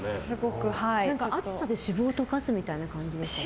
熱さで脂肪を溶かすみたいな感じですか。